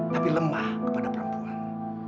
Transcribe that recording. tapi lemah kepada perempuan